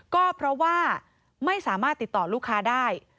ก็เพราะว่าไม่สามารถติดต่อลูกค้าได้